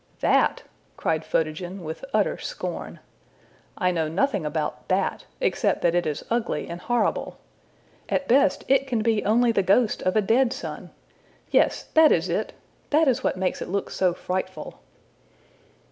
``That!'' cried Photogen, with utter scorn. ``I know nothing about that, except that it is ugly and horrible. At best it can be only the ghost of a dead sun. Yes, that is it! That is what makes it look so frightful.''